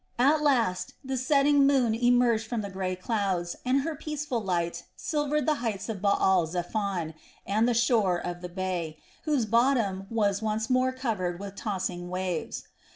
At last the setting moon emerged from the grey clouds, and her peaceful light silvered the heights of Baal zephon and the shore of the bay, whose bottom was once more covered with tossing waves.